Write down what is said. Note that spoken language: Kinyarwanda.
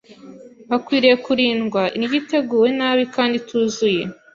bakwiriye kurindwa “indyo iteguwe nabi kandi ituzuye.